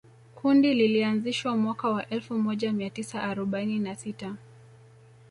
Kundi lilianzishwa mwaka wa elfu moja mia tisa arobaini na sita